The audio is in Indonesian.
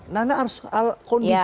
nona harus lihat kondisi dunia